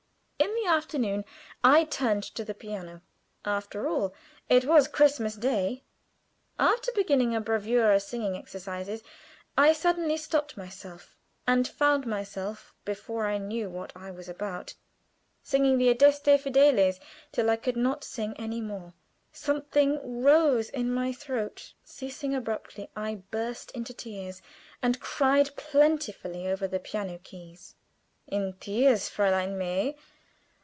In the afternoon I turned to the piano. After all it was Christmas day. After beginning a bravura singing exercise, I suddenly stopped myself, and found myself, before I knew what I was about, singing the "Adeste Fidelis" till I could not sing any more. Something rose in my throat ceasing abruptly, I burst into tears, and cried plentifully over the piano keys. "In tears, Fräulein May!